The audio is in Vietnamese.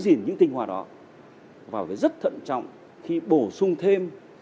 gìn những tinh hoa đó và phải rất thận trọng khi bổ sung thêm